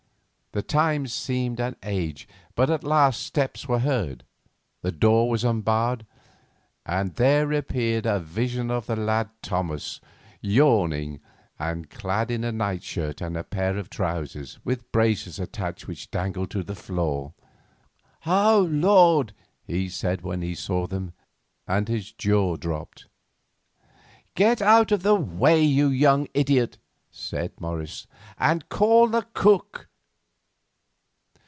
The time seemed an age, but at last steps were heard, the door was unbarred, and there appeared a vision of the lad Thomas, yawning, and clad in a nightshirt and a pair of trousers, with braces attached which dangled to the floor. "Oh, Lord!" he said when he saw them, and his jaw dropped. "Get out of the way, you young idiot," said Morris, "and call the cook."